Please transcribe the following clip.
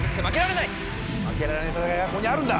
負けられない戦いがここにあるんだ！